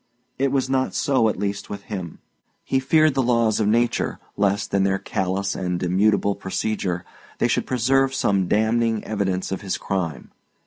It was not so, at least, with him. He feared the laws of nature, lest, in their callous and immutable procedure, they should preserve some damning evidence of his crime.